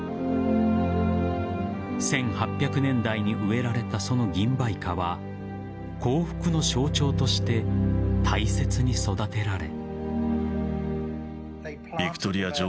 １８００年代に植えられたそのギンバイカは幸福の象徴として大切に育てられ。